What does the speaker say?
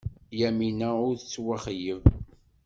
Yamina ur tettwaxeyyab.